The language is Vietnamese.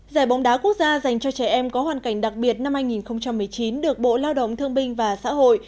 giải bóng đá quốc gia dành cho trẻ em có hoàn cảnh đặc biệt năm hai nghìn một mươi chín được bộ lao động thương binh và xã hội